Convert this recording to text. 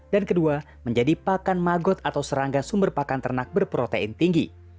kedua menjadi pakan magot atau serangga sumber pakan ternak berprotein tinggi